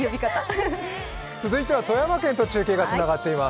続いては富山県と中継がつながっています。